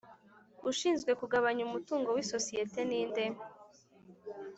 ushinzwe kugabanya umutungo w isosiyete ni nde